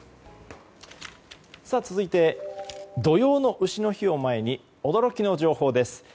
続いて土用の丑の日を前に驚きの情報です。